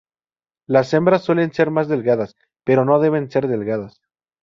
Las hembras suelen ser más delgadas, pero no deben ser delgadas.